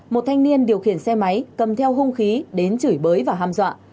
một thanh niên điều khiển xe máy cầm theo hung khí đến chửi bới và ham dọa